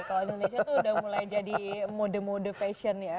kalau indonesia tuh udah mulai jadi mode mode fashion ya